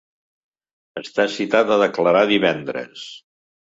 Està citat a declarar divendres.